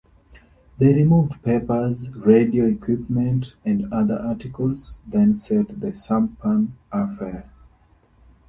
They removed papers, radio equipment, and other articles then set the sampan afire.